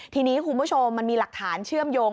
ทีนี้คุณผู้ชมมันมีหลักฐานเชื่อมโยง